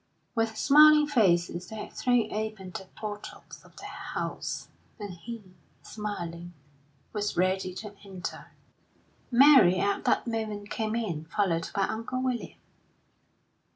With smiling faces they had thrown open the portals of that House, and he, smiling, was ready to enter. Mary at that moment came in, followed by Uncle William.